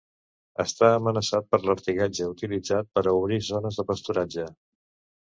Està amenaçat per l'artigatge utilitzat per a obrir zones de pasturatge.